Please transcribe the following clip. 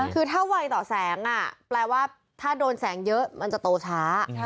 คือถ้าไวต่อแสงแปลว่าถ้าโดนแสงเยอะมันจะโตช้า